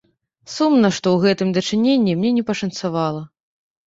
Сумна, што ў гэтым дачыненні мне не пашанцавала.